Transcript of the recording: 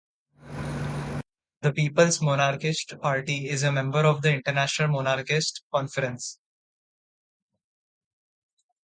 The People's Monarchist Party is a member of the International Monarchist Conference.